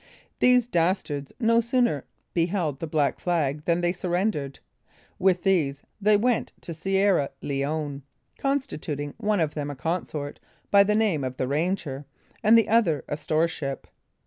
These dastards no sooner beheld the black flag than they surrendered. With these they went to Sierra Leone, constituting one of them a consort, by the name of the Ranger, and the other a store ship.